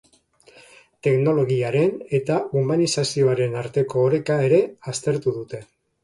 Teknologiaren eta humanizazioaren arteko oreka ere aztertu dute.